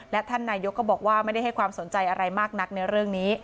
และท่านนายกก็บอกว่าไม่ได้ให้ความสนใจอะไรมากนักในเรื่องนี้